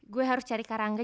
gue harus cari ke rangga